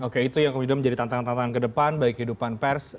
oke itu yang kemudian menjadi tantangan tantangan ke depan bagi kehidupan pers